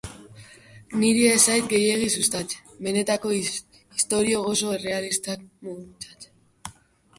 Niri ez zait gehiegi gustatzen benetako istorio oso errealistak muntatzea.